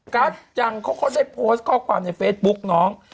ัสจังเขาก็ได้โพสต์ข้อความในเฟซบุ๊กน้อง